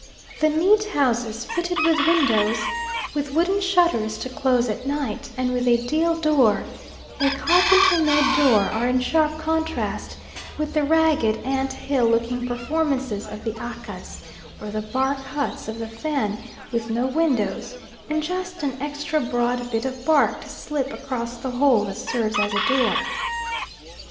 The neat houses, fitted with windows, with wooden shutters to close at night, and with a deal door a carpenter made door are in sharp contrast with the ragged ant hill looking performances of the Akkas, or the bark huts of the Fan, with no windows, and just an extra broad bit of bark to slip across the hole that serves as a door.